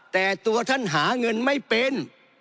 แต่ตัวท่านหาเงินไม่เป็น